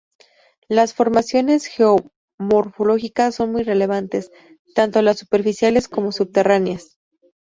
Las formaciones geomorfológicas son muy relevantes, tanto las superficiales como subterráneas.